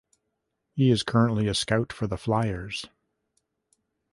He is currently a scout for the Flyers.